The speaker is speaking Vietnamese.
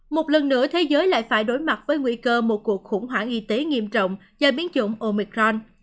một lần nữa thế giới lại phải đối mặt với nguy cơ một cuộc khủng hoảng y tế nghiêm trọng do biến chủng omicron